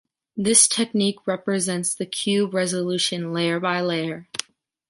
This technique represents the cube resolution layer by layer.